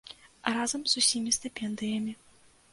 Разам з усімі стыпендыямі.